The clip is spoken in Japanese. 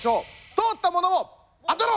通ったモノを当てろ！